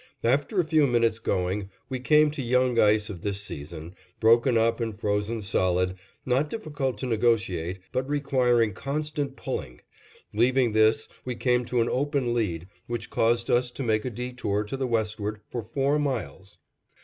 After a few minutes' going, we came to young ice of this season, broken up and frozen solid, not difficult to negotiate, but requiring constant pulling; leaving this, we came to an open lead which caused us to make a detour to the westward for four miles.